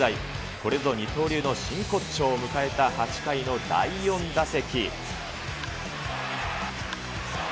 これぞ二刀流の真骨頂を迎えた８回の第４打席。